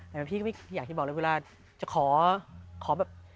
แต่พี่ก็ที่อยากบอกเปิดไปก็เวลาจะของ